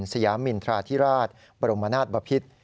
สยามินทราธิราชบรมนาศบพิษ